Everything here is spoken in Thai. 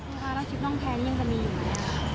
คุณพ่อแล้วชิพน้องแพ้นี่ยังจะมีอยู่ไหม